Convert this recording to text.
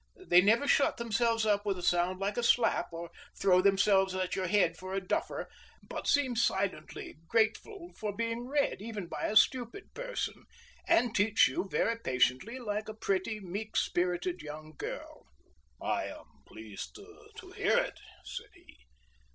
They never shut themselves up with a sound like a slap, or throw themselves at your head for a duffer, but seem silently grateful for being read, even by a stupid person, and teach you very patiently, like a pretty, meek spirited young girl." "I am very pleased to hear it," said he.